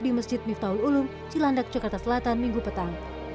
di masjid miftahul ulum cilandak jakarta selatan minggu petang